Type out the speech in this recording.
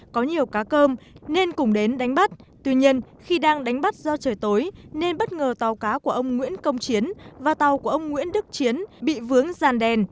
có nhiều cá cơm nên cùng đến đánh bắt tuy nhiên khi đang đánh bắt do trời tối nên bất ngờ tàu cá của ông nguyễn công chiến và tàu của ông nguyễn đức chiến bị vướng gian đèn